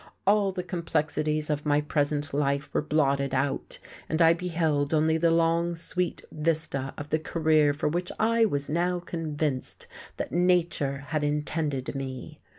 All the complexities of my present life were blotted out, and I beheld only the long, sweet vista of the career for which I was now convinced that nature had intended me.